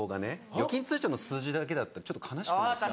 預金通帳の数字だけだったらちょっと悲しくないですか。